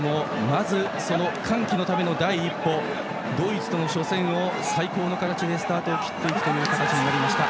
まずその歓喜のための第一歩ドイツとの初戦を最高の形でスタートを切る形になりました。